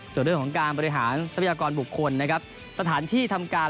ส่วนเรื่องของการบริหารทรัพยากรบุคคลนะครับสถานที่ทำการ